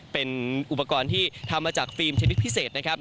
เป็นอุปกรณ์ที่ทำมาจากฟิล์มชนิดพิเศษนะครับ